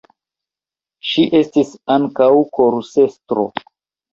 Ŝi estis ankaŭ korusestro.